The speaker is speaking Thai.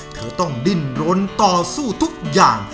เธอต้องดิ้นรนต่อสู้ทุกอย่าง